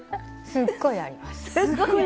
すっごいあります。